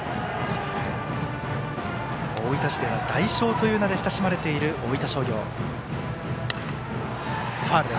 大分市では大商という名で親しまれている大分商業。